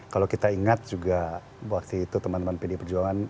kalau kita ingat juga waktu itu teman teman pd perjuangan